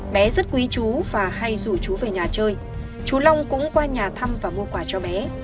bé rất quý chú và hay rủ chú về nhà chơi chú long cũng qua nhà thăm và mua quà cho bé